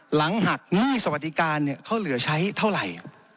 หลังหักหนี้สวัสดิการเขาเหลือใช้เท่าไหร่